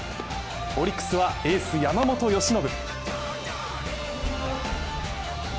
オリックスは、エース・山本由伸。